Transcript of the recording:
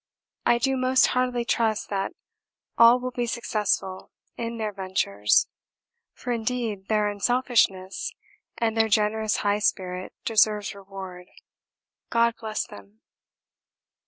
I do most heartily trust that all will be successful in their ventures, for indeed their unselfishness and their generous high spirit deserves reward. God bless them.